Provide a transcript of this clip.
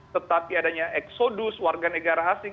tetapi adanya eksodus warga negara asing